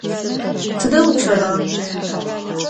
Tıde vuççera?